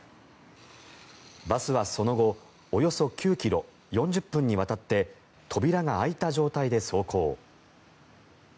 バスはその後、およそ９ｋｍ４０分にわたって扉が開いた状態で走行。